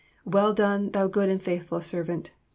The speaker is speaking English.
"Well done, thou good and faithful servant